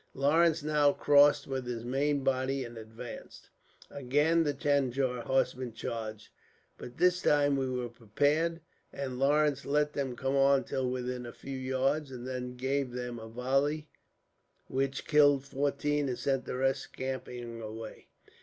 "Lawrence now crossed with his main body and advanced. Again the Tanjore horsemen charged; but this time we were prepared, and Lawrence let them come on till within a few yards, and then gave them a volley which killed fourteen and sent the rest scampering away.